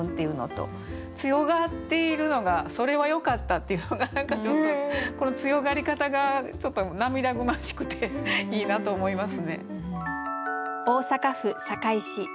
強がっているのが「それはよかった」っていうのが何かちょっとこの強がり方がちょっと涙ぐましくていいなと思いますね。